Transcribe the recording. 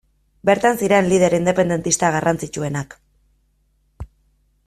Bertan ziren lider independentista garrantzitsuenak.